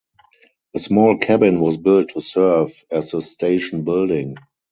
A small cabin was built to serve as the station building.